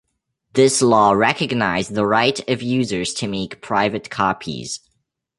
This law recognized the right of users to make private copies.